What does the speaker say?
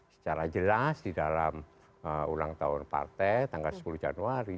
secara jelas di dalam ulang tahun partai tanggal sepuluh januari